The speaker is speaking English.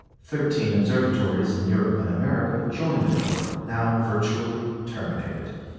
Thirteen observatories in Europe and America joined in the work, now virtually terminated.